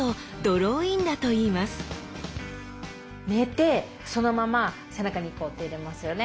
寝てそのまま背中にこう手を入れますよね。